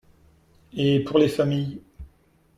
Et pour les familles